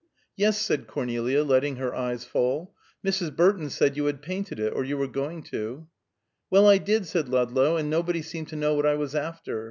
"Yes," said Cornelia, letting her eyes fall, "Mrs. Burton said you had painted it, or you were going to." "Well, I did," said Ludlow, "and nobody seemed to know what I was after.